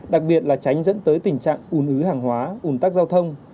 đặc biệt là tránh dẫn tới tình trạng ùn ứ hàng hóa ùn tắc giao thông